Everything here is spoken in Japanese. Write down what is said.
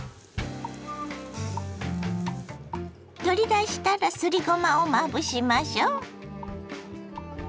取り出したらすりごまをまぶしましょ。